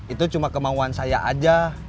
itu cuma kemauan saya aja